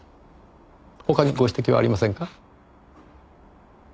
他にご指摘はありませんか？